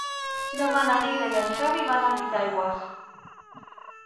Demà na Neida i en Xavi van a Titaigües.